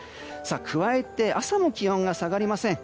加えて朝の気温が下がりません。